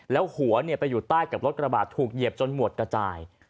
แล้วหัวไปอยู่ใต้กับรถกระบาดถูกเหยียบจนหมวดกระจาย